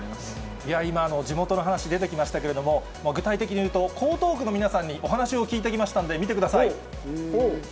いや、今、地元の話、出てきましたけれども、具体的に言うと、江東区の皆さんに、お話を聞いてきましたんで、見てください。